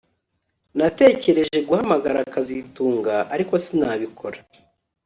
Natekereje guhamagara kazitunga ariko sinabikora